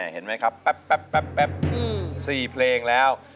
เห็นไหมครับแป๊บ๔เพลงแล้ว